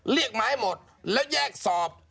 เรียกไม้หมดแล้วแยกสอบ